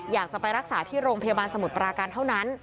อยากจะไปรักษาที่โรงพยาบาลสมุทรปราการเท่านั้น